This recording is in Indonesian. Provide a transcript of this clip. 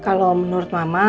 kalau menurut mama